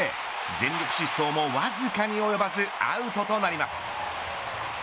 全力疾走もわずかに及ばずアウトとなります。